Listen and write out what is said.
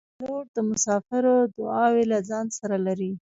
پیلوټ د مسافرو دعاوې له ځان سره لري.